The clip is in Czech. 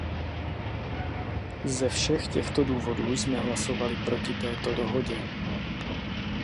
Ze všech těchto důvodů jsme hlasovali proti této dohodě.